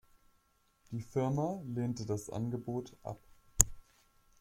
Die Firma lehnte das Angebot ab.